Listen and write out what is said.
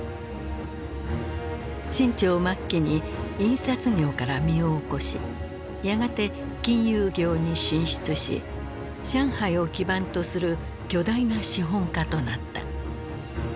清朝末期に印刷業から身を起こしやがて金融業に進出し上海を基盤とする巨大な資本家となった。